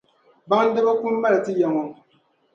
Baŋdiba kum mali ti yaŋɔ.